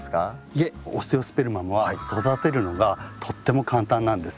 いえオステオスペルマムは育てるのがとっても簡単なんです。